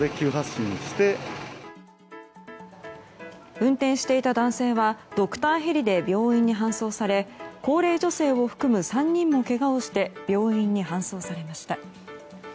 運転していた男性はドクターヘリで病院に搬送され高齢女性を含む３人もけがをして病院に搬送されました。